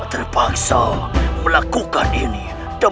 mereka akan melakukan semua aduh